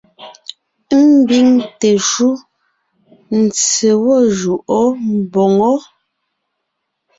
Ḿbiŋ teshúʼ, ntse gwɔ́ jʉʼó mboŋó.